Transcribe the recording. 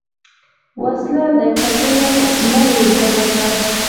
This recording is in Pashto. وسله د ټپونو نوې بڼه ده